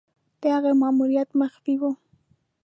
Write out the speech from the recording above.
د هغه ماموریت مخفي وو.